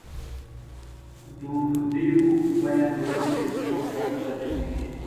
دونډیو بیه ولۍ پورته کښته کیږي؟